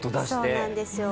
そうなんですよ。